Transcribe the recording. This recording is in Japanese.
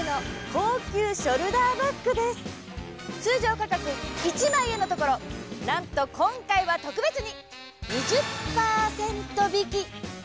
通常価格１００００円のところなんと今回はとくべつに。